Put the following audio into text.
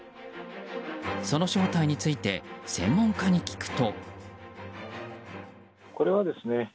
その正体について専門家に聞くと。